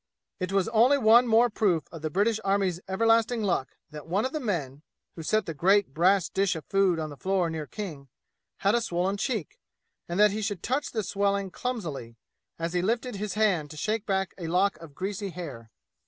It was only one more proof of the British army's everlasting luck that one of the men, who set the great brass dish of food on the floor near King, had a swollen cheek, and that he should touch the swelling clumsily, as he lifted his hand to shake back a lock of greasy hair.